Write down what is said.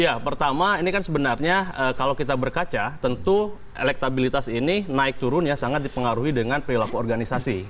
ya pertama ini kan sebenarnya kalau kita berkaca tentu elektabilitas ini naik turun ya sangat dipengaruhi dengan perilaku organisasi